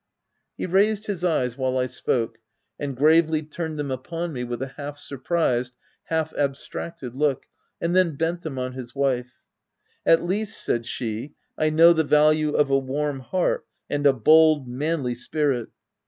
He raised his eyes while I spoke, and gravely turned them upon me with a half surprised, half abstracted look, and then bent them on his wife. " At least," said she, " I know the value of a warm heart and a bold, manly spirit